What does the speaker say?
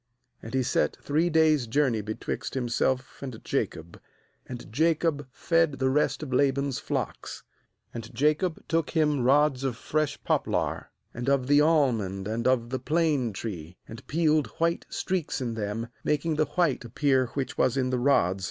^And he set three days' journey betwixt himself and Jacob. And Jacob fed the rest of Laban's flocks. ^And Jacob took him rods of fresh poplar, and of the almond and of the plane tree; and peeled white streaks in them, making the white appear which was in the rods.